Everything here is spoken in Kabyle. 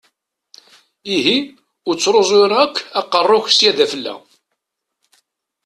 Ihi ur ttṛuẓu ara akk aqeṛṛu-k sya d afella!